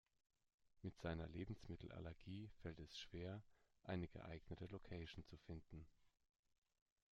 Mit seiner Lebensmittelallergie fällt es schwer, eine geeignete Location zu finden.